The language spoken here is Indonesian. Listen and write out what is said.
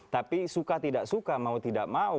tapi suka tidak suka mau tidak mau